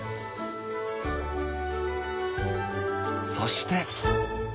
そして。